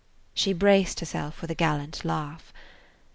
She braced herself with a gallant laugh.